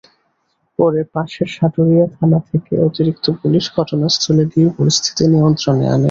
পরে পাশের সাটুরিয়া থানা থেকে অতিরিক্ত পুলিশ ঘটনাস্থলে গিয়ে পরিস্থিতি নিয়ন্ত্রণে আনে।